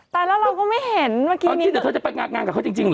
แต่แล้วเราก็ไม่เห็นเมื่อกี้นี้เดี๋ยวเธอจะไปงานกับเขาจริงเหรอ